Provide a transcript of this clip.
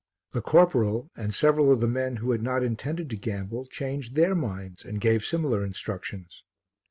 The corporal and several of the men who had not intended to gamble changed their minds and gave similar instructions.